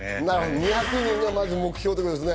２００人がまず目標ということですね。